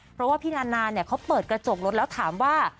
เพราะว่าพี่นานาเขาเปิดกระจกรถแล้วถามว่า